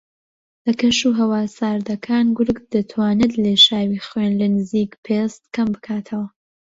لە کەش و ھەوا ساردەکان گورگ دەتوانێت لێشاوی خوێن لە نزیک پێست کەم بکاتەوە